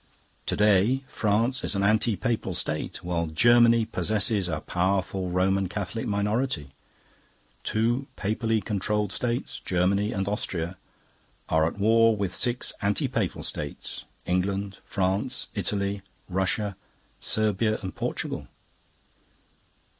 To day France is an anti papal state, while Germany possesses a powerful Roman Catholic minority. Two papally controlled states, Germany and Austria, are at war with six anti papal states England, France, Italy, Russia, Serbia, and Portugal.